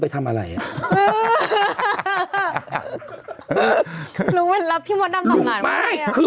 เป็นการกระตุ้นการไหลเวียนของเลือด